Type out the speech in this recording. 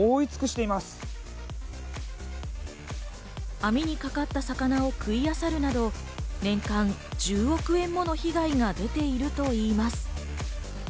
網に掛かった魚を食いあさるなど、年間およそ１０億円もの被害が出ているといいます。